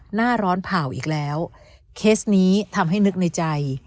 หน้าร้อนเผ่าอีกแล้วเคสนี้ทำให้นึกในใจ